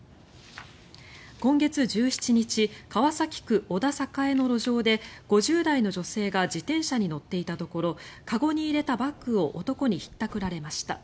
今月１７日川崎区小田栄の路上で５０代の女性が自転車に乗っていたところ籠に入れたバッグを男にひったくられました。